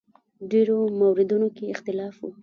ډېرو موردونو کې اختلاف و.